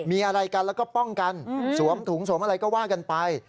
มีอะไรกันแล้วก็ป้องกันสวมถุงสวมอะไรก็ว่ากันไป